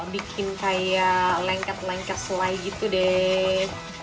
bikin kayak lengket lengket selai gitu deh